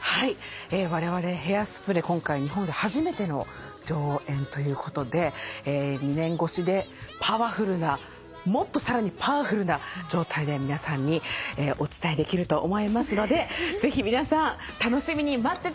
われわれ『ヘアスプレー』今回日本で初めての上演ということで２年越しでパワフルなもっとさらにパワフルな状態で皆さんにお伝えできると思いますのでぜひ皆さん楽しみに待っててください。